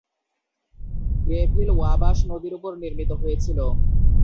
গ্রেভিল ওয়াবাশ নদীর উপর নির্মিত হয়েছিল।